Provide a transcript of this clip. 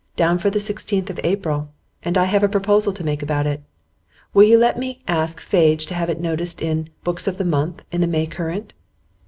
'" Down for the sixteenth of April. And I have a proposal to make about it. Will you let me ask Fadge to have it noticed in "Books of the Month," in the May Current?